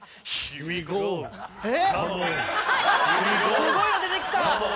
すごいの出てきた！